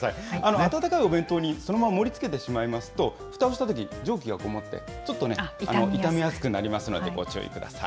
温かいお弁当にそのまま盛りつけてしまいますと、ふたをしたとき、蒸気が込もって、ちょっとね、傷みやすくなりますので、ご注意ください。